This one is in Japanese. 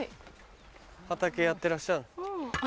畑やってらっしゃる。